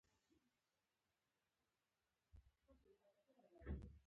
مولانا وایي: "چون سلیمان را سرا پرده زدند، پیشِ او مرغان به خدمت آمدند".